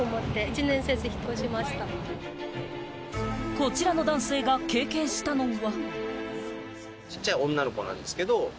こちらの男性が経験したのは。